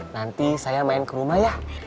nanti saya main ke rumah ya